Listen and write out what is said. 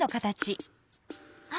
あ！